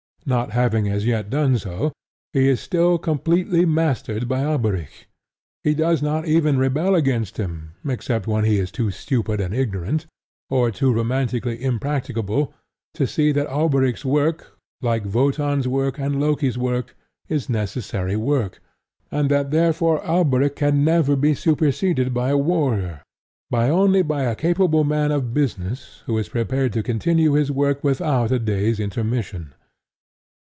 Not having as yet done so, he is still completely mastered by Alberic. He does not even rebel against him except when he is too stupid and ignorant, or too romantically impracticable, to see that Alberic's work, like Wotan's work and Loki's work, is necessary work, and that therefore Alberic can never be superseded by a warrior, but only by a capable man of business who is prepared to continue his work without a day's intermission.